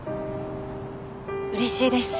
うれしいです。